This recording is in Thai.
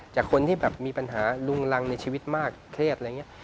จากคนที่แบบมีปัญหาลุงรังในชีวิตมากเครียดอะไรอย่างนี้